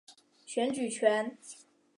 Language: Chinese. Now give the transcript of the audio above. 选举权。